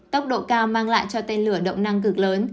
tốc độ cao mang lại cho tên lửa động năng cực lớn